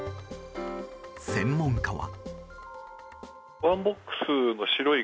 専門家は。